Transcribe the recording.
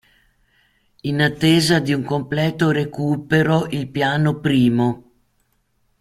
In attesa di un completo recupero il piano primo.